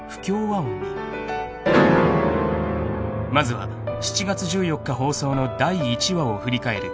［まずは７月１４日放送の第１話を振り返る］